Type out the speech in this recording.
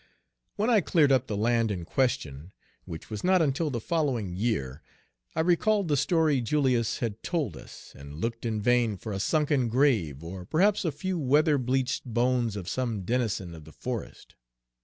When I cleared up the land in question, which was not until the following year, I recalled the story Julius had told us, and looked in vain for a sunken Page 194 grave or perhaps a few weather bleached bones of some denizen of the forest.